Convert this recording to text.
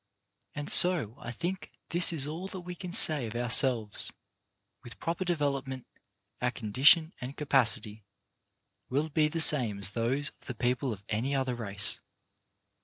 And so, I think, this is all that we can say of ourselves — with proper develop ment our condition and capacity will be the same as those of the people of any other race.